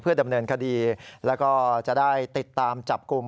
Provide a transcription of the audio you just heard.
ดำเนินคดีแล้วก็จะได้ติดตามจับกลุ่ม